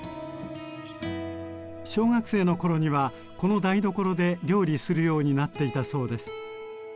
小学生の頃にはこの台所で料理するようになっていたそうです。